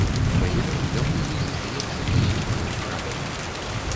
Магілёў для многіх застаецца нязведаным краем.